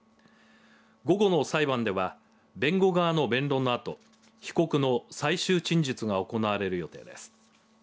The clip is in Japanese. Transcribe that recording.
午後の裁判では弁護側の弁論のあと被告の最終陳述が行われる予定です。